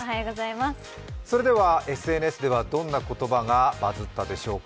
それではＳＮＳではどんな言葉がバズったでしょうか。